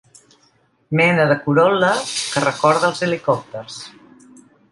Mena de corol·la que recorda els helicòpters.